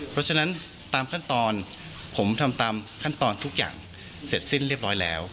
เพราะฉะนั้นตามขั้นตอนผมทำตามขั้นตอนทุกอย่างเสร็จสิ้นเรียบร้อยแล้ว